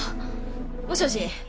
もしもし？